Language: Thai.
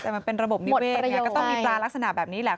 แต่มันเป็นระบบนิเวศไงก็ต้องมีปลาลักษณะแบบนี้แหละ